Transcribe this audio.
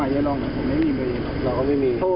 เย็บ